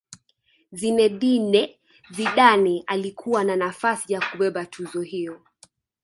zinedine zidane alikuwa na nafasi ya kubeba tuzo hiyo